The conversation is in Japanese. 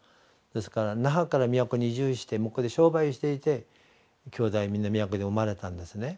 ですから那覇から宮古に移住して向こうで商売していてきょうだいみんな宮古で生まれたんですね。